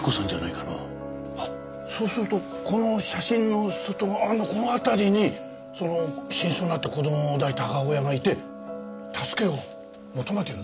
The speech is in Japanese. あっそうするとこの写真の外側のこの辺りにその死にそうになった子供を抱いた母親がいて助けを求めてる。